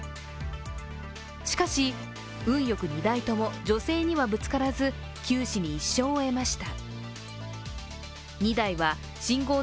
しかし、運よく２台とも女性にはぶつからず九死に一生を得ました。